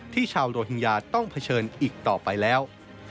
ชาวโรฮิงญาต้องเผชิญอีกต่อไปแล้ว